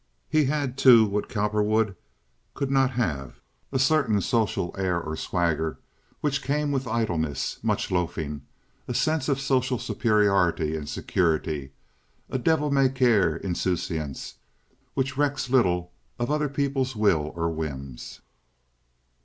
He had, too, what Cowperwood could not have, a certain social air or swagger which came with idleness, much loafing, a sense of social superiority and security—a devil may care insouciance which recks little of other people's will or whims.